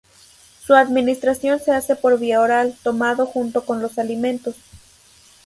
Su administración se hace por vía oral, tomado junto con los alimentos.